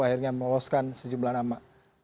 akhirnya meloloskan sejumlah nama